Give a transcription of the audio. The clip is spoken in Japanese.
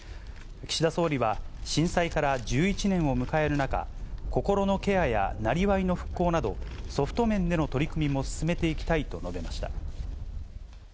岸田総理は、震災から１１年を迎える中、心のケアやなりわいの復興など、ソフト面での取り組みも進めていきたいと述べました。